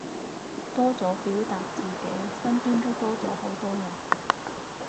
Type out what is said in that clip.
多咗表達自己，身邊都多咗好多人